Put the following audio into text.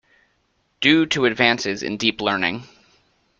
Due to advances in deep learning.